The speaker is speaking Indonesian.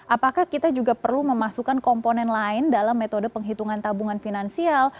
apakah kita juga perlu memasukkan komponen lain dalam metode penghitungan tabungan finansial